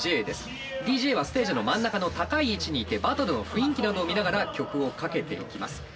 ＤＪはステージの真ん中の高い位置にいてバトルの雰囲気などを見ながら曲をかけていきます。